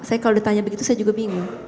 saya kalau ditanya begitu saya juga bingung